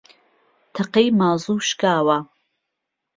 تەقەی مازوو شکاوە